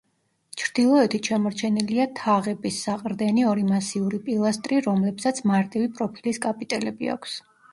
ჩრდილოეთით შემორჩენილია თაღების საყრდენი ორი მასიური პილასტრი, რომლებსაც მარტივი პროფილის კაპიტელები აქვს.